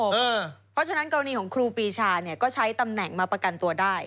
เพราะฉะนั้นกรณีของครูปีชาก็ใช้ตำแหน่งมาประกันตัวได้